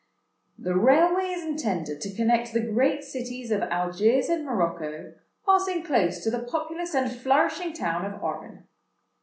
"This Railway is intended to connect the great cities of Algiers and Morocco, passing close to the populous and flourishing town of Oran.